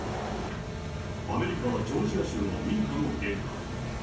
アメリカ・ジョージア州の民家の玄関。